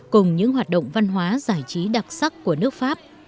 cùng những hoạt động văn hóa giải trí đặc sắc của nước pháp